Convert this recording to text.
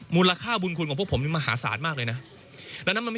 มูลค่าบุญคุณของพวกผมนี่มหาศาลมากเลยนะ